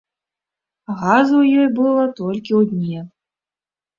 Газы ў ёй было толькі ў дне.